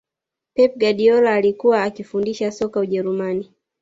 pep guardiola alikuwa akifundisha soka ujerumani